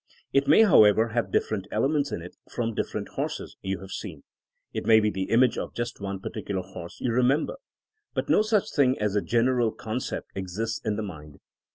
It may how ever have different elements in it from different horses yon have seen. It may be the image of just one particular horse you remember. But no such thing as a general concept exists in the mind.